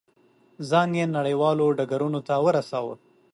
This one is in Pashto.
ځان یې نړیوالو ډګرونو ته ورساوه.